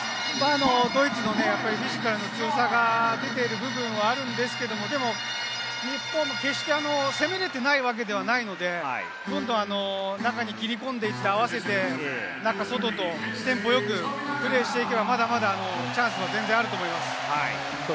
ドイツのフィジカルの強さが出ている部分もあるんですけれども、日本も決して攻められてないわけではないので、どんどん中に切り込んでいって合わせて、中・外とテンポよくプレーしていけば、まだまだチャンスは全然あると思います。